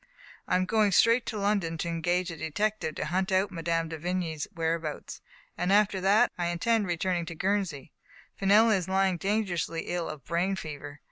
" I am going straight to London to engage a detective to hunt out Mme. de Vigny's whereabouts, and after that I intend returning to Guernsey. Fenella is lying dangerously ill of brain fever.